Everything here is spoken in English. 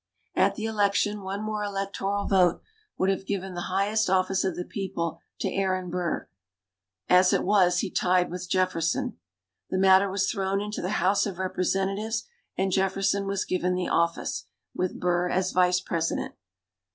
At the election one more electoral vote would have given the highest office of the people to Aaron Burr; as it was he tied with Jefferson. The matter was thrown into the House of Representatives, and Jefferson was given the office, with Burr as Vice President.